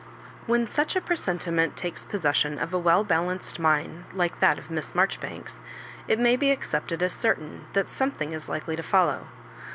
When such a presentiment takes possession of a well balanced mind like that of Miss Marjo ribanks, it may be accepted as certain that some thing is likely to follow.